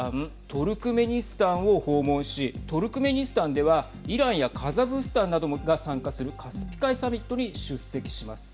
トルクメニスタンを訪問しトルクメニスタンではイランやカザフスタンなどが参加するカスピ海サミットに出席します。